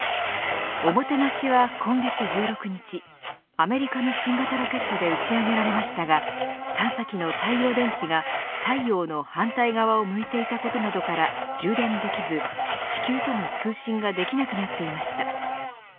ＯＭＯＴＥＮＡＳＨＩは今月１６日アメリカの新型ロケットで打ち上げられましたが探査機の太陽電池が太陽の反対側を向いていたことなどから充電できず地球との通信ができなくなっていました。